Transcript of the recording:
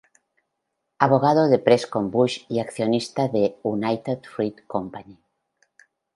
Abogado de Prescott Bush y accionista de United Fruit Company.